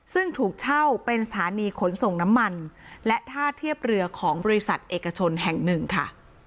ซึ่งถูกเช่าเป็นสถานีขนส่งน้ำมันและท่าเทียบเรือของบริษัทเอกชนแห่งหนึ่งค่ะ